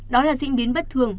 đó là diễn biến bất thường